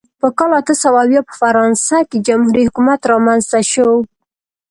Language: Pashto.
په کال اته سوه اویا په فرانسه کې جمهوري حکومت رامنځته شو.